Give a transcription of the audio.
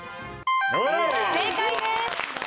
正解です！